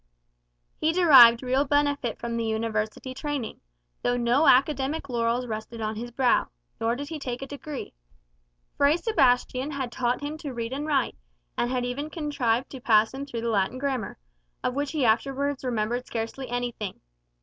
He derived real benefit from the university training, though no academic laurels rested on his brow, nor did he take a degree. Fray Sebastian had taught him to read and write, and had even contrived to pass him through the Latin grammar, of which he afterwards remembered scarcely anything.